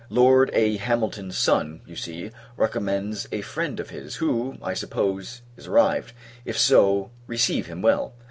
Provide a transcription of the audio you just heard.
Lord A. Hamilton's son, you see, recommends a friend of his; who, I suppose, is arrived: if so, receive him well.